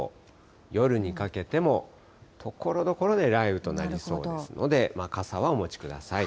夜にかけてもところどころで雷雨となりそうですので、傘はお持ちください。